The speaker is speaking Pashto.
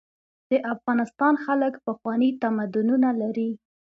د افغانستان خلک پخواني تمدنونه لري.